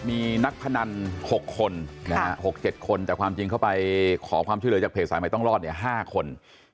มีนักพนัน๖คน๖๗คนแต่ความจริงเข้าไปขอความช่วยเหลือจากเพจสายใหม่ต้องรอด๕คน